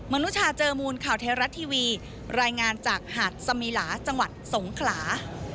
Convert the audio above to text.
นุชาเจอมูลข่าวไทยรัฐทีวีรายงานจากหาดสมีหลาจังหวัดสงขลา